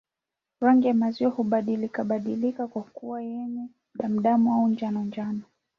Rangi ya maziwa hubadilikabadilika kuwa yenye damudamu au njanonjano